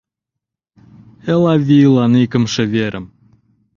— Элавийлан — икымше верым!